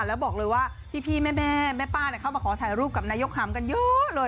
แล้วบอกเลยว่าพี่แม่แม่ป้าเข้ามาขอถ่ายรูปกับนายกหำกันเยอะเลย